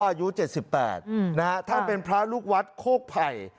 อายุ๗๘นะฮะท่านเป็นพระลูกวัดโคกไผ่